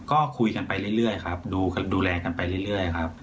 ก็คุยกันไปเรื่อยครับดูแลกันไปเรื่อยครับ